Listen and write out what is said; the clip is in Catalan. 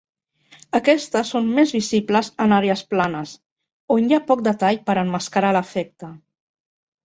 Aquestes són més visibles en àrees planes, on hi ha poc detall per emmascarar l'efecte.